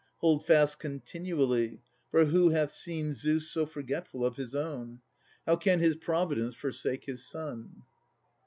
Hold fast continually, for who hath seen Zeus so forgetful of his own? How can his providence forsake his son?